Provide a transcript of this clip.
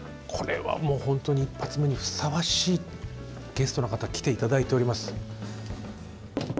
これはもう本当に一発目にふさわしいゲストの方来て頂いております。